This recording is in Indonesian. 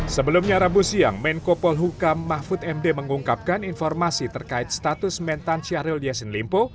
sebelumnya rabu siang menko polhukam mahfud md mengungkapkan informasi terkait status mentan syahrul yassin limpo